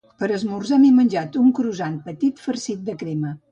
Per esmorzar m'he menjat un croissant petit farcit de crema